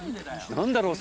何だろう？